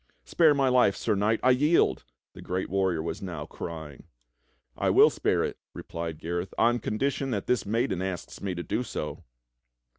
" Spare my life. Sir Knight, I yield !" the great warrior was nowcrying. 'T will spare it," replied Gareth, "on condition that this maiden asks me to do so."